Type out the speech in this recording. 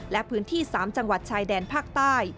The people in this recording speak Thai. และพื้นที่๓จังหวัดชายแดนภาคใต้